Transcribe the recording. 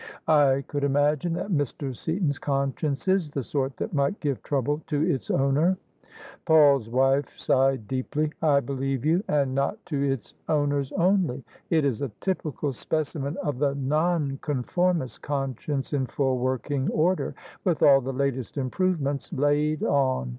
''I could imagine that Mr. Seaton's conscience is the sort that might give trouble to its owner." Paul's wife sighed deeply. " I believe you, and not to its owner only! It is a typical specimen of the Nonconform ist conscience in full working order, with all the latest improvements laid on.